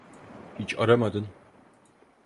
Hiç aramadın.